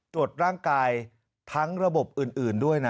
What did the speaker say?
ตรวจร่างกายทั้งระบบอื่นด้วยนะ